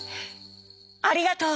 ありがとう！」。